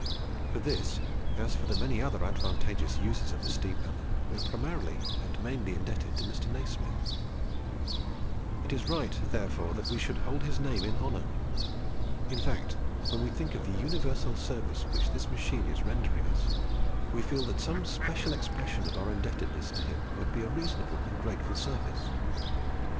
For this, as for the many other advantageous uses of the steam hammer, we are primarily and mainly indebted to Mr. Nasmyth. It is but right, therefore, that we should hold his name in honour. In fact, when we think of the universal service which this machine is rendering us, we feel that some special expression of our indebtedness to him would be a reasonable and grateful service.